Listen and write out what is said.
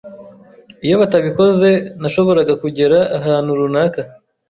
Iyaba batabikoze, nashoboraga kugera ahantu runaka.